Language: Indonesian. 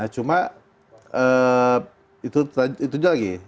cuma itu aja lagi